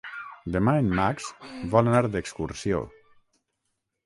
Demà en Max vol anar d'excursió.